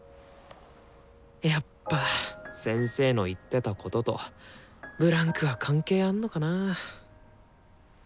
やっぱ先生の言ってたこととブランクは関係あんのかな。